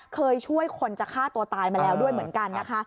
เคยช่วยคนจะฆ่าตัวตายมาแล้วด้วยเหมือนกันนะคะ